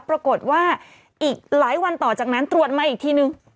ปรากฏว่าอีกหลายวันต่อจากนั้นตรวจมาอีกทีนึง